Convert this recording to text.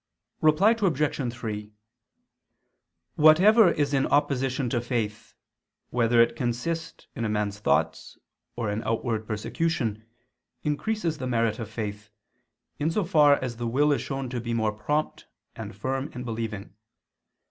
Reply Obj. 3: Whatever is in opposition to faith, whether it consist in a man's thoughts, or in outward persecution, increases the merit of faith, in so far as the will is shown to be more prompt and firm in believing.